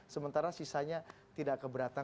sementara sisanya tidak keberatan